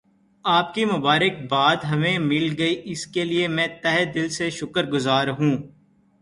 آپ کی مبارک باد ہمیں مل گئی اس کے لئے میں تہہ دل سے شکر گزار ہوں